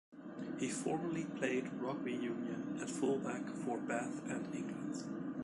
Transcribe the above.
He formerly played rugby union at fullback for Bath and England.